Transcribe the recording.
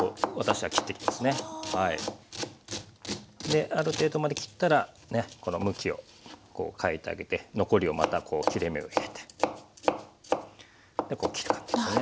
である程度まで切ったらこの向きをこう変えてあげて残りをまたこう切れ目を入れてこう切る感じですね。